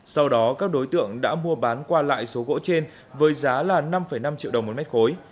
sau đó các đối tượng đã mua bán qua lại số gỗ trên với giá là năm năm triệu đồng một mét khối